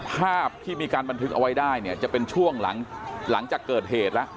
ภาพที่มีการบันทึกเอาไว้ได้เนี่ยจะเป็นช่วงหลังจากเกิดเหตุแล้ว